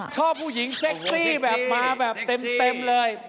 ชอบผู้หญิงเซ็กซี่แบบมาแบบเต็มเลย